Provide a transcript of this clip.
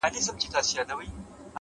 چي ستا تر تورو غټو سترگو اوښكي وڅڅيږي،